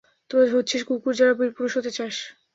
তোরা হচ্ছিস কুকুর, যারা বীরপুরুষ হতে চাস।